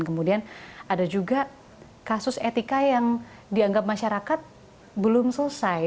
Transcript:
kemudian ada juga kasus etika yang dianggap masyarakat belum selesai